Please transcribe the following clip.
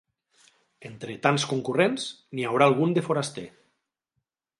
Entre tants concurrents, n'hi haurà algun de foraster.